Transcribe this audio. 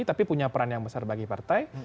tapi punya peran yang besar bagi partai